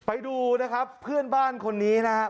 ไปดูนะครับเพื่อนบ้านคนนี้นะครับ